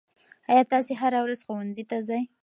آیا تاسې هره ورځ ښوونځي ته ځئ؟